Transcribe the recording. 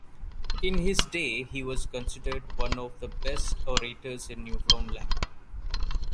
In his day he was considered one of the best orators in Newfoundland.